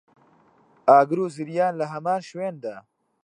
ئاگر و زریان لە هەمان شوێندا